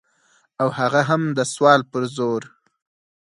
او هغه هم د سوال په زور.